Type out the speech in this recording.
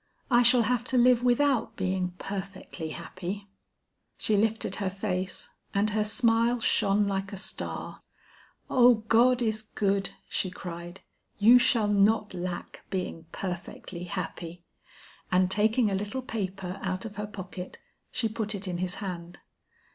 I shall have to live without being perfectly happy." She lifted her face and her smile shone like a star. "Oh God is good," she cried, "you shall not lack being perfectly happy;" and taking a little paper out of her pocket she put it in his hand.